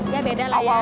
ya beda lah ya